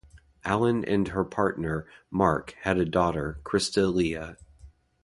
Allen and her partner, Mark, had a daughter Christa Lea.